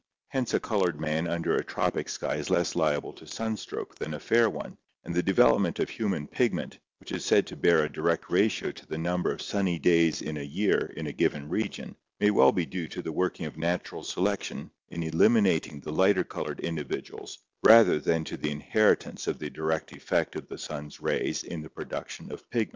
Hence a colored man under a tropic sky is less liable to sunstroke than a fair one, and the develop ment of human pigment, which is said to bear a direct ratio to the number of sunny days in a year in a given region, may well be due to the working of natural selection in eliminating the lighter colored individuals rather than to the inheritance of the direct effect of the sun's rays in the production of pigment.